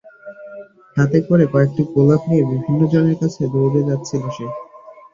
হাতে করে কয়েকটি গোলাপ নিয়ে বিভিন্ন জনের কাছে দৌড়ে যাচ্ছিল সে।